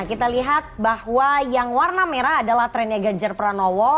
kita lihat bahwa yang warna merah adalah trennya ganjar pranowo